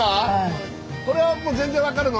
これはもう全然分かるの？